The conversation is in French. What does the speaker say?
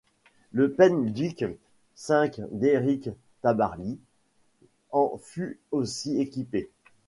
Le Pen Duick V d'Éric Tabarly en fut aussi équipé.